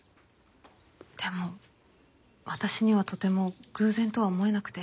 でも私にはとても偶然とは思えなくて。